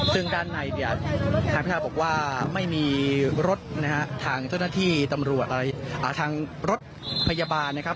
ซึ่งด้านในเนี่ยทางพิทาบอกว่าไม่มีรถนะฮะทางเจ้าหน้าที่ตำรวจทางรถพยาบาลนะครับ